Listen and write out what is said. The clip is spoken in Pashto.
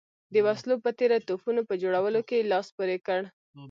د وسلو په تېره توپونو په جوړولو یې لاس پورې کړ.